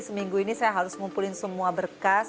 seminggu ini saya harus ngumpulin semua berkas